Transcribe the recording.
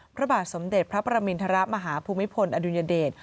พระบาทสมเด็จพระประมินทรมาฮภูมิพลอดุญเดช